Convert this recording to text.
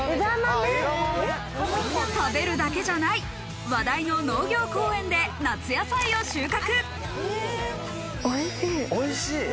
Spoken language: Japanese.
食べるだけじゃない、話題の農業公園で夏野菜を収穫。